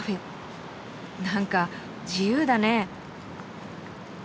なんか自由だね。